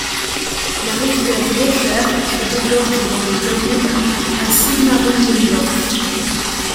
La rivière Lauchert se dégorge dans le Danube à Sigmaringendorf.